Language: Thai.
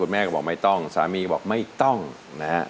คุณแม่ก็บอกไม่ต้องสามีก็บอกไม่ต้องนะครับ